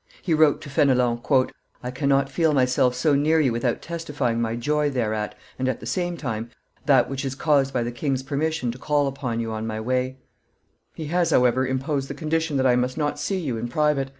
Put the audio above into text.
He wrote to Fenelon, "I cannot feel myself so near you without testifying my joy thereat, and, at the same time, that which is caused by the king's permission to call upon you on my way; he has, however, imposed the condition that I must not see you in private.